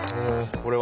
これは。